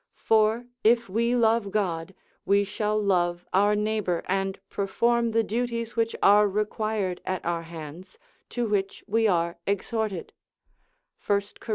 For if we love God, we shall love our neighbour, and perform the duties which are required at our hands, to which we are exhorted, 1 Cor.